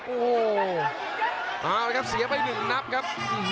โอ้โหเอาละครับเสียไปหนึ่งนับครับ